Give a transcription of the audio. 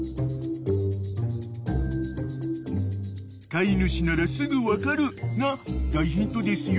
［「飼い主ならすぐ分かる」が大ヒントですよ］